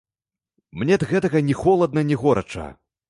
Мне ад гэтага ні халодна, ні горача.